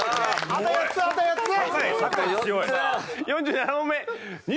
４７問目。